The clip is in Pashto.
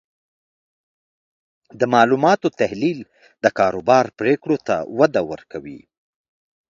د معلوماتو تحلیل د کاروبار پریکړو ته وده ورکوي.